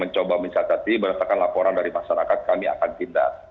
coba mencatat berdasarkan laporan dari masyarakat kami akan tindak